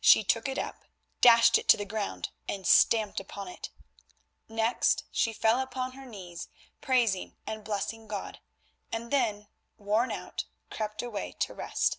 She took it up, dashed it to the ground and stamped upon it. Next she fell upon her knees, praising and blessing God, and then, worn out, crept away to rest.